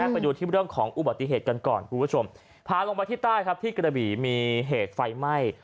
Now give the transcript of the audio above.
ไปดูที่เรื่องของอุบัติเหตุกันก่อนคุณผู้ชมพาลงไปที่ใต้ครับที่กระบี่มีเหตุไฟไหม้